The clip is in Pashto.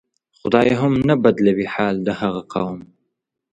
خدای هم نه بدلوي حال د هغه قوم